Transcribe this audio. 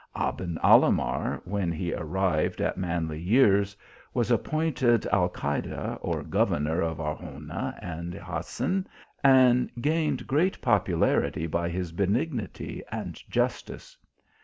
Aben Alah mar, when he arrived at manly years, was appointed Alcayde or governor of Arjona. and Jaen, and gained great popularity by his benignity and justice.